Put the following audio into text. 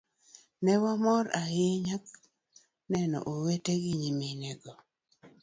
Ne wamor ahinya neno owete gi nyiminego.